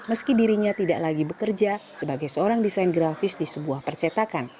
meski dirinya tidak lagi bekerja sebagai seorang desain grafis di sebuah percetakan